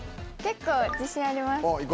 結構自信あります。